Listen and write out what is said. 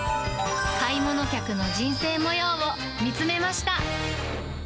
買い物客の人生模様を見つめました。